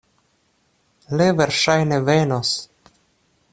Li verŝajne venos.